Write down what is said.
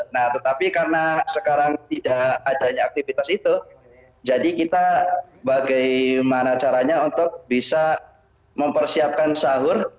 nah tetapi karena sekarang tidak adanya aktivitas itu jadi kita bagaimana caranya untuk bisa mempersiapkan sahur